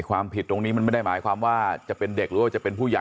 ความผิดตรงนี้มันไม่ได้หมายความว่าจะเป็นเด็กหรือว่าจะเป็นผู้ใหญ่